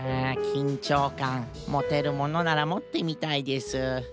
あきんちょうかんもてるものならもってみたいです。